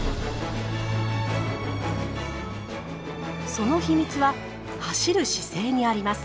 その秘密は走る姿勢にあります。